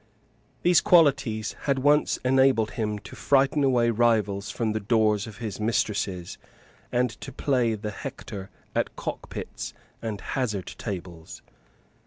These qualities had once enabled him to frighten away rivals from the doors of his mistresses, and to play the Hector at cockpits and hazard tables.